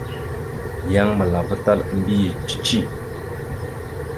Yan malava tal a mbiyez cici.